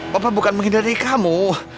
papa bukan menghindari kamu